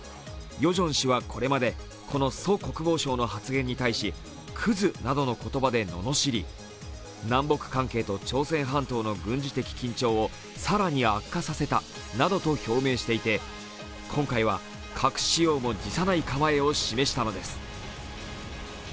ヨジョン氏はこれまでこのソ国防相の発言に対しくずなどの言葉でののしり、南北関係と朝鮮半島の軍事的緊張を更に悪化させたなどと表明していて、今回は核使用も辞さない構えを示したのです。